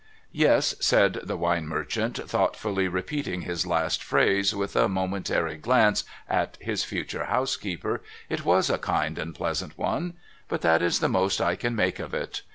' Yes,' said the wine merchant, thoughtfully repeating his last phrase, with a momentary glance at his future housekeeper, ' it was a kind and pleasant one. But that is the most I can make of it.